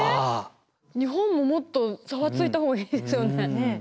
日本ももっとざわついた方がいいですよね。